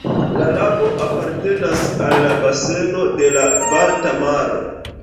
La lago apartenas al la baseno de la Balta Maro.